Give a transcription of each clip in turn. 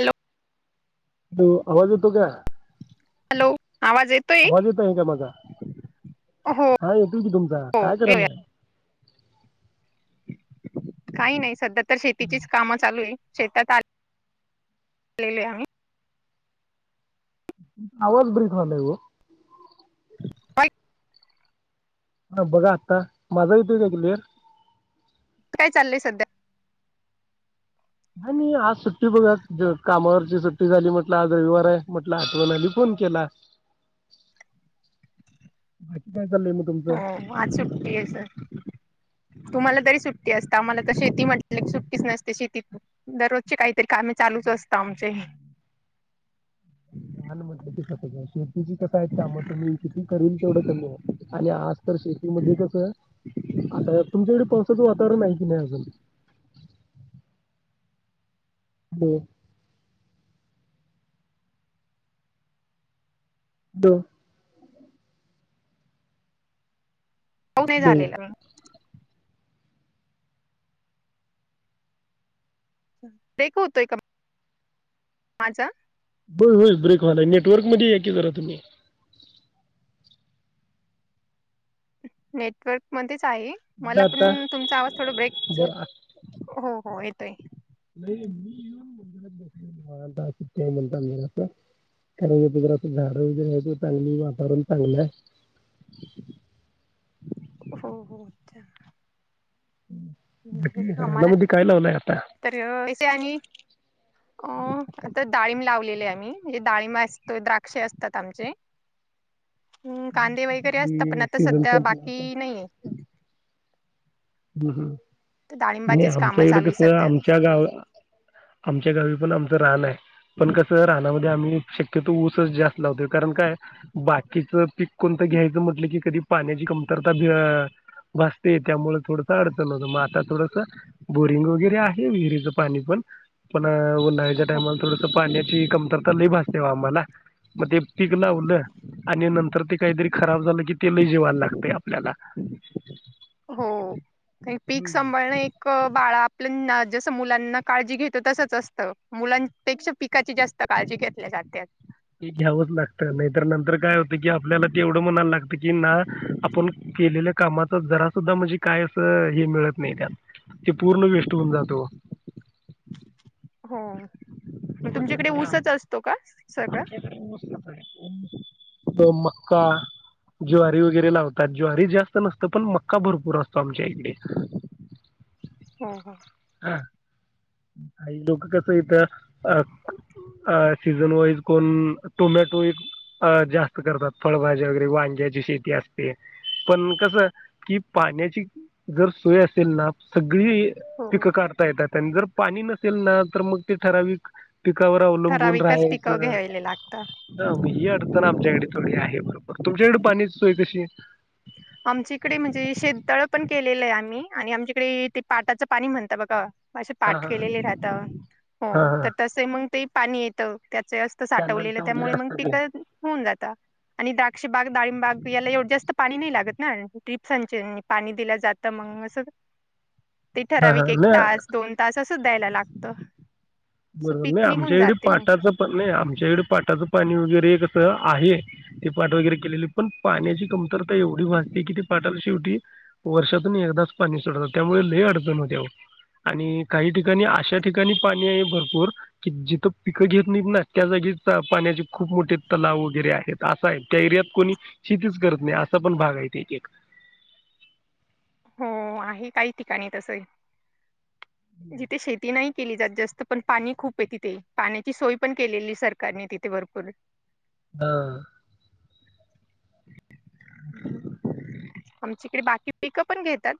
Hello तो आवाज येतो का? हॅलो आवाज येतोय आवाज येतो आहे का माझा, हो हा येतोय की तुमचा, हो काय येतोय. करायलाय? काही नाही, सध्या तर शेतीचीच कामं चालू आहे. शेतात आज आलेलो आहे आम्ही. आवाज ब्रेक झालाय हो. पाय [unintelligible] हा बघा आत्ता, माझा येतोय का क्लिअर? काय चाललय सध्या? नाही आज सुट्टी बघा, कामावरची सुट्टी झाली, म्हटलं आज रविवार आहे, म्हटलं आठवण आली फोन केला. काय चाललंय मग तुमचं? हो, आज सुट्टी आहे सर. तुम्हाला तरी सु यस, आम्हाला त शेती म्हटलं लय सुट्टीच नसते शेतीत दररोजची काहीतरी कामे चालूच असत आमचे. लान म्हध कस शेतीची कसं आहे काम तुम्ही किती काम म्हणलं की तसंच हाय शेतीची त काय काम कमी, किती करल तेवढं कमी आहे आणि आज तर शेतीमध्ये कसं, आता, तुमच्याकडे पावसाचं वातावरण हाय की नाही अजून? हॅलो [inaudible] दो हो, ते हॅलो झालेलं, हम्म ब्रेक, होतोय का? माझा होय, होय, ब्रेकवाला हाय, नेटवर्क मधी या की जरा तुम्ही. नेटवर्क मध्येच ताई, बघा मला आता पण तुमचा आवाज थोडं ब्रेक झल्या हो हो, येतय. [unintelligible] हा चालतंय ठेव मग आता कारण जी झाड वगैरे त चांगली वातावरण चांगलं हाय हो हो अच्छा नाही बाकी आम्हाला रानामध्ये काय लावलंय आता? तर आणि अ आता डाळीम लावलेली. म म्हणे डाळि असतो द्राक्ष असतात आमचे हम् कांदे वगैरे असतात पण ते आता सीझन सध्या संपला बाकी आता. नाहीये. हम् हम तर नाही डाळिंबाचीच आमच्या कामं इकड चालू आहे कस सध्या आमच्या गाव आमच्या गावी पण आम तर राहले आहे पण कस राणामध्ये. आम्ही शक्यतो ऊसच जास्त लावतोय कारण काय बाकीचं पिक कोणतं घ्यायचं म्हटलं की कधी. पाण्याची कमतरता बी भासते त्यामुळे थोडसं अडचन होत मग आता थोडसं. बोरिंग वगैरे आहे विहिरीच. पाणी पण. पण उन्हाळ्याच्या हो टायमाला थोडस पाण्याची कमतरता लई भासते ओ आम्हाला. मग ते पीक लावलं आणि नंतर ते काहीतरी खराब झालं की तेल जीवाला लागत आपल्याला हो. पीक हम्म सांभाळणं एक बाळा आपलं जसं. मुलांना काळजी घेतो तसच असतं मुलांपेक्षा पिकाची जास्त काळजी घेतल्या जात्यात. हे घ्यावंच लागतं नाहीतर नंतर काय होतं की आपल्याला ते एवढं म्हणायला लागत कि ना आपण केलेल्या कामाच जरा सुद्धा म्हणजे काय असं हे मिळत नाही त्यात ते पूर्ण वेस्ट होऊन जात ओ हो. मग तुमच्याकडे आम ऊसच असतो का सगळा. आमच्या इकडे ऊस कसं आहे मक्का ज्वारी वगैरे लावतात, ज्वारी जास्त नसत पण मक्का भरपूर असतो आमच्या इकडे. हा हा. हा. काही लोक कस इथ अ सीजन वाईज कोण टोमॅटो एक जास्त करतात, फळभाज्या वगैरे वांग्याची शेती असते पण कस कि पाण्याची जर सोय असेल ना स गली पिक हो काढता येतात. तम जर [inaudible] पाणी नसेल ना तर मग ते ठराविक. पिकावर अवलंबून ठराविकच पिकं राहायचं, घ्यायला लागतं ह मग ही अडचण आमच्याकडे थोडी आहे. तुमच्याकडे पान्याची सोय कशी आहे. आमच्या इकडे म्हणजे शेततळ पण केलेलं आहे आम्ही आणि आमच्याकडे ते पाटाचं पाणी म्हणता बघा. असे हा पाठ हा केलेले राहत हा हो हा तर तसे मग ते. पाणी येतो त्याच असत साठवलेलं कॅनलचं वगैरे त्यामुळे मग असतं ते पिक होऊन जात आणि द्रक्ष बा दाडीम बघगले ए जास्त पाणी नाही लागत ना ट्रिप्सांचे पाणी दिलं जात मग अस ते हा ठराविक हा एक नाही तास दोन तास अस द्यायला लागतं. सो बरोबर नाही पीक निघून आमच्या इकडे जाते मग पाठाचं पण नाही आमच्या इकडे पाटाचं पाणी वगैरेस आहे ते पाट वगैरे केलेले पण पाण्याची कमतरता पाणी वगैरे कस आहे ते पाट वगैरे केलेले पण पाण्याची कमतरता एवढी भासते की ते पाठाला शेवटी वर्षातून एकदाच पाणी सोडतात त्यामुळे लय अडचण होत्या आओ आणि काही ठिकाणी अशा ठिकाणी पाणी हाय भरपूर कि जिथं पिकं घेत नाहीत ना त्या जागीच पा पाण्याची खूप मोठे तलाव वगैरे आहेत. असा आहे त्या एरियात कोणी शेतीच करत नाही असा पण भाग हायत एक एक. हो आहे काही ठिकाणी तस. जिथे शेती नाही केली जात जास्त पण पाणी खूप आहे तिथे पाण्याची सोय पण केलेली सरकारने तिथे भरपूर. हा. बाकी. आमच्या इकडे बाकी पिकं पण घेतात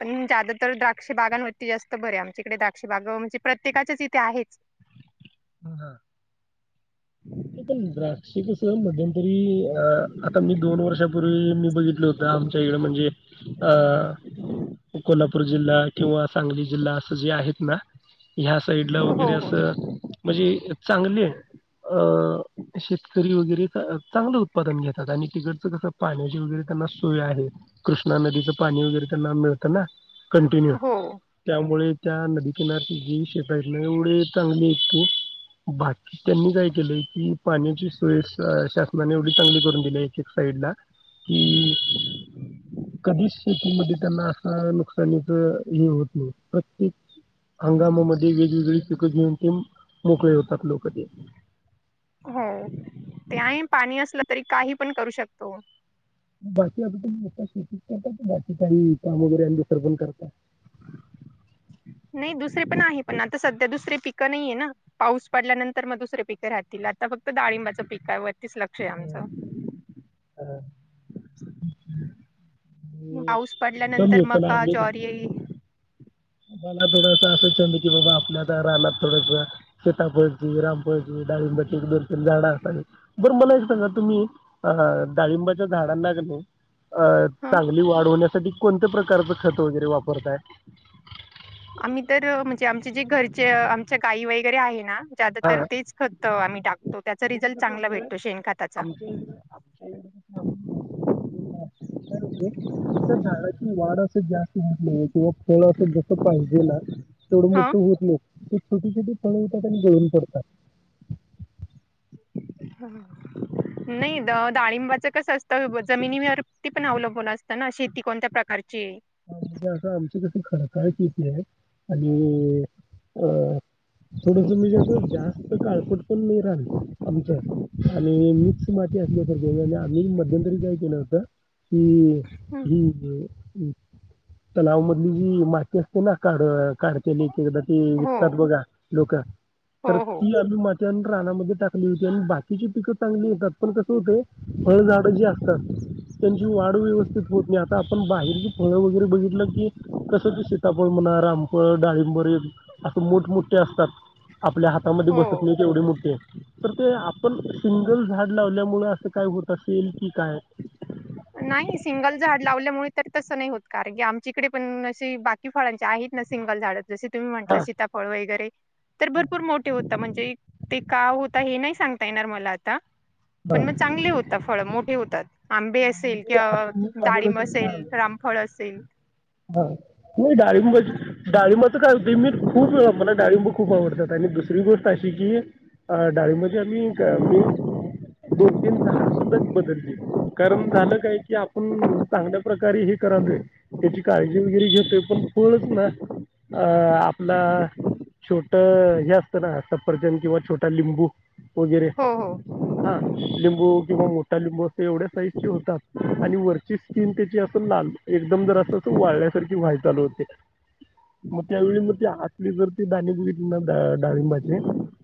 पण ज्यादा तर द्राक्ष बागांवरती जास्त भरय आमच्याकडे द्राक्ष बाग म्हणजे प्रत्येकाच्याच इथे आहेच. हम्. पण द्राक्ष कसं मध्यंतरी अ आता मी दोन वर्षापूर्वी मी बघितल होतं आमच्या इडे म्हणजे अ कोल्हापूर जिल्हा किंवा सांगली जिल्हा असं जे आहेत ना ह्या साईड ला हो वगैरे हो असं म्हणजे चांगलेय. अ शेतकरी वगैरे चांगलं उत्पादन घेतात आणि तिकडचं कसं पाण्याची वगैरे त्यांना सोय आहे कृष्णा नदीचं पाणी वगैरे त्यांना मिळतं ना. कंटिन्यू हो त्यामुळे त्या नदी किनारची जी शेतयत ना एवढे चांगले यत की भाकी त्यांनी काय केले की पाण्याची सोय शासनाने एवढी चांगली करून दिली एक एक साईड ला कि कधीच शेतीमध्ये त्यांना आस नु नुकसानीच हे होत नाही प्रत्येक हंगामा मध्ये वेगवेेगळी पिकं घेऊन ते मोकळे होता त लोक ते. हो ते आहे पाणी असलं तरी काही पण करू शकतो. बाकी आता तुम्ही शेतीच करता की बाकी काही काम वगैरे अडलीस पण करता? नाही दुसरे पण आहे पण आता सध्या दुसरे पिकं नाहीये ना पाऊस पडल्यानंतर मग दुसरे पिकं राहतील आता फक्त डाळिंबाच पिकावर तेच लक्ष आहे आमचं आणि पाऊस कमी पडल्यानंतर आहे पण मका आम्ही ज्वारी य मला थोडस असा झाल की बाबा आपल्या दा रानात थोडस सिताफळची, रामफळची, डाळिंबाची एक दोन तीन झाडं असावीत बर मला एक सांगा तुम्ही अ डाळिंबाच्या झाडांला किनई अ ह चांगली वाढ होण्यासाठी साठी कोणत्या प्रकारचं खत वगैरे वापरताय? आम्ही तर म्हणजे आमचे जे घरचे आमच्या गाई वगैरे आहे ना. ज्यादा हा तर तेच खत आम्ही टाकतोत. म्हणजे कसं होतंय आमच्या इ [unintelligible] त्या झाडाची वाढ अस जास्त [unintelligible] तेवढं असं जस पाहिजे ना तेवढं मोठं होत नाय. ते छोटी छोटी फळं येतात आणि गळून पडतात. नाही द डाळिंबाचं कस असतं जमिनीवरती पण अवलंबून असतं ना शेती कोणत्या प्रकारची आहे.? हा म्हणजे असं आमच्याकडे खडकाळ कितीे आहे आणि अ.. थोडस म्हजे जास्त काळपट पण नाही रान आमचं आणि माती असल्या [unintelligible] आम्ही मध्यंतरी काय केलं होतं? ती हं. ही दे हम्. तलाव मधली जी माती असते ना काढ काढतेली की एकेकदा ती हो विकतात बघा लोक हो तर हो ती आम्ही मा त्यानंतर रानामध्ये टाकली होती आणि बाकीची पिकं चांगली येतात. पण कसं होते फळझाडं जी असतात, त्यांची वाढ व्यवस्थित होत नाही आता आपण बाहेर फळं वगैरे बघितलं की कसं ते सीतापळ म्हणा, रामफळ, डाळिंबर एक असं मोठमोठे असतात. आपल्या हातामध्ये हो बसत नाही ते एवढे मोठे तर ते आपण सिंगल झाड लावल्यामुळे असं काय होत असेल की काय? नाही सिंगल झाड लावल्यामुळे तर तसं नाही होत कारण की आमच्याकडे पण असे बाकी फळांचे आहेत ना सिंगल झाड. जसे तुम्ही हा म्हंटला सीताफळ वगैरे. तर भरपूर मोठे होता म्हणजे ते का होता हे नाही सांगता येणार मला आता. पण मग चांगले होता फळ मोठे होत. [unintelligible] असेल म्हणजे आता मी किंवा माझ्या डाळींब डोक्यात काय असेल आलं रामफळ असेल. हां नाही डाळिंबाची डाळिंबाचं काय होतंय मी खूप वेळा मला डाळंब खूप आवडतात. आणि दुसरी गोष्ट अशी की डाळिंबाची आम्ही म दोन तीन झाडं सुद्धा बदलली कारण झालं. काय की आपण चांगल्या प्रकारे हे करालोय. त्याची काळजी वगैरे घेेतोय पण फळच ना अ आपला छोटं हे असतं ना सपरचन किंवा छोटा लिंबू. वगिरे हो हो हा. लिंबू किंवा मोठा लिंबू असे एवढ्या साईजची होतात. आणि वरची स्किन त्याची असं लाल एकदम जरासं तस वाळल्यासारखी व्हाय चालू होते म त्यावेळी म आतली जर ते दाणे बघितली ना डाळिंबाचे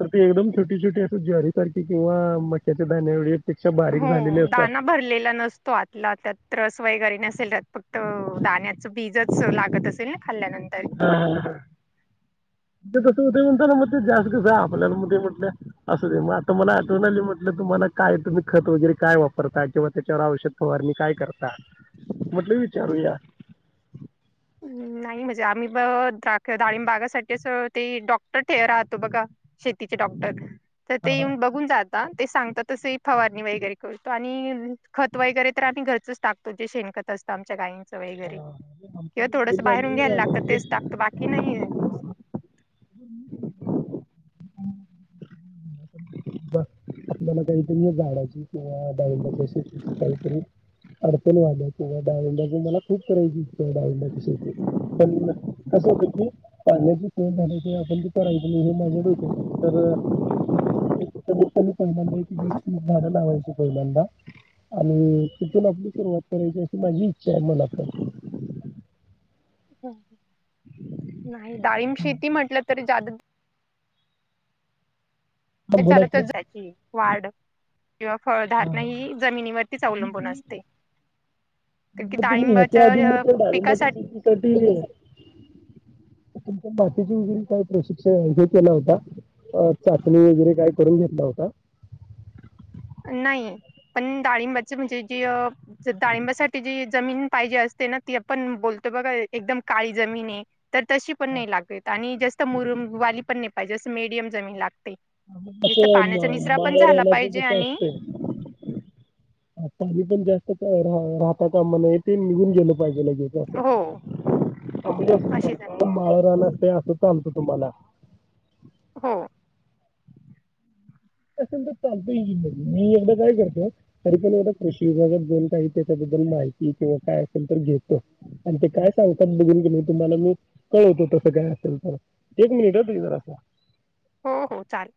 तर त एकदम छोटी छोटी अस ज्वारी सारखी किंवा मक्याच्या दाण्याएवढी पेक्षा बारीक झालेले असतात दाना भरलेला नसतो आतला त्यात त्रस वगैरे नसेल. फक्त दाण्याचं बीजच लागत असेल ना! खाल्यानंतर. ते तसं होतंय म्हणताना म ते जास्त कसं आपल्याला म ते म्हटलं असुदे म त मला आठवण आली म्हटलं तुम्हाला काय तुम्ही खत वगैरे काय वापरता? किंवा त्याच्यावर आवश्यक फवारणी काय करता? म्हटल विचारूया. नाही म्हणजे आम्ही ब द्राक-डाळीम बागासाठीच ते डॉक्टर ठे राहतो बघा शेतीचे डॉक्टर. तर ते येऊन बघून जात. ते सांगतात तसही फवारणी वगैरे करतो आणि खत वगैरे तर आम्ही घरचच टाकतो जे शेणखत असतं आमच्या गायं स हा, वगेरे. म्हणजे आमच्या जे थोडंसं घरी बाहेरून आम्ही घ्यायला लागतं रानामध्ये तेच टाकते बाकी नाही. आपल्याला काहीतरी झाडाची किंवा डाळिंबाची काहीतरी अडचण वा्हाल्या किंवा डाळिंबाचे मलाहा खूप करायची डाळिंबाची शेती पण कसं होतं की पाण्याची टंचाई आपण जे करायच. ते माझ्या डोक्यात आहे तर एकट्या दुकट्याने पहिल्यांदा वीस तीस झाड लावायचे. आणि तिथून आपली सुरुवात करायची अशी माझी इच्छा आहे मनात. ह ना डाळींब शेती म्हटलं तरी चालेल. हा बोला की चालतच जायची. वाढ किंवा फळधारणा मग ही जमिनीवरतीच अवलंबून असते. कारण की मग तुम् ह्याच्या आधी मग डाळिंबाच्या ते डाळिंबाच्या पिकासाठी शेतीसाठी तुमच्या बाकीचे व काही प्रशिक्षणहे केला होता, चाचणी वगैरे काही करून घेतला होता? नाही पण डाळिंबाची म्हणजे जी अ डाळिंबासाठी जी जमीन पाहिजे असते ना, ती आपण बोलतो बघा एकदम काळी जमीन आहे तर तशी पण नाही लागत आणि जास्त मुरुम वाली पण नाही पाहिजे, अस मीडियम जमीन लागते. जिथं ं पाण्याचा निचरा पण झाला माळरानाचं पाहिजे कसं आणि असतय. थंडीचा जास्त कहर राहता कामा नये. अगदी असं निघून गेल पाहिजेे ते, असे हो म्हणजे अस अशी खडकाळ माळरानाथ असं चालत तुम्हाला हो मी एकदा काय करतो, तरी पण एकदा कृषी विभागातन काही त्याच्याबद्दल माहिती किंवा काय असेल तर घेतो आणि ते काय सांगतात बघून तुम्हाला मी कळवतो. तसं काय असेल तर, एक मिनिट ह ताई जरा हो हो चालेल.